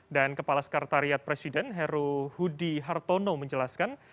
dan kepala sekretariat presiden heru hudi hartono menjelaskan